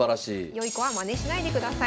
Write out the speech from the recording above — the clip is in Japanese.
良い子はまねしないでください。